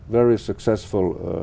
về lịch sử